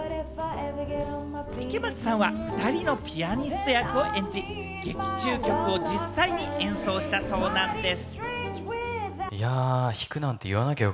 池松さんは２人のピアニスト役を演じ、劇中曲を実際に演奏したそうなんです。